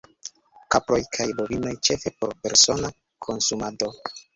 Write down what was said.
Kaproj kaj bovinoj ĉefe por persona konsumado.